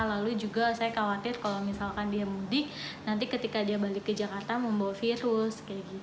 lalu juga saya khawatir kalau misalkan dia mudik nanti ketika dia balik ke jakarta membawa virus